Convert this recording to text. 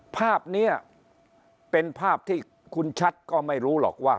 ภาพนี้เป็นภาพที่คุณชัดก็ไม่รู้หรอกว่า